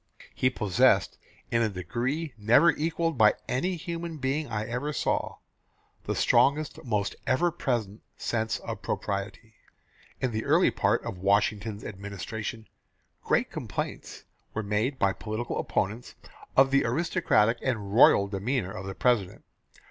He possessed, in a degree never equalled by any human being I ever saw, the strongest, most ever present sense of propriety." In the early part of Washington's administration, great complaints were made by political opponents of the aristocratic and royal demeanour of the President.